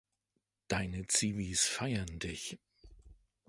Deine Zivis feiern dich.